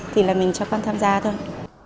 thì là mình cho con tham gia thôi